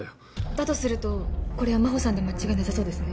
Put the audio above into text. だとするとこれは真帆さんで間違いなさそうですね。